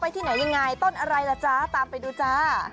ที่ไหนยังไงต้นอะไรล่ะจ๊ะตามไปดูจ้า